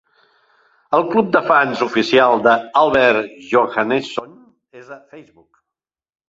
El club de fans oficial d'Albert Johanneson és a Facebook.